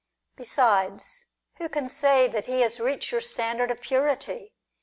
Besides, who can say that he has reached your standard of purity